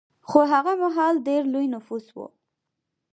خو هغه مهال ډېر لوی نفوس و